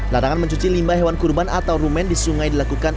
larangan mencuci limba hewan kurban atau rumen di sungai dilakukan